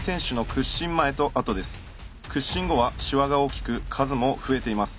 屈伸後はシワが大きく数も増えています。